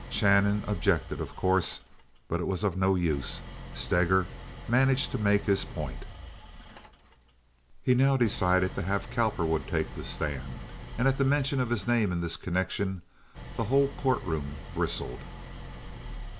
Shannon objected, of course, but it was of no use. Steger managed to make his point. He now decided to have Cowperwood take the stand, and at the mention of his name in this connection the whole courtroom bristled.